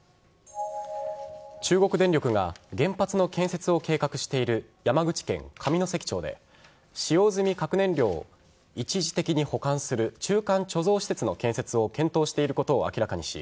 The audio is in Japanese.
中国電力が原発の建設を計画している山口県上関町で使用済み核燃料を一時的に保管する中間貯蔵施設の建設を検討していることを明らかにし